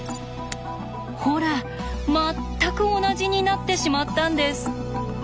ほら全く同じになってしまったんです。